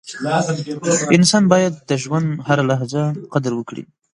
• انسان باید د ژوند هره لحظه قدر وکړي.